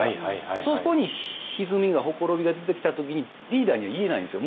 そこにひずみが綻びが出てきた時にリーダーには言えないんですよ。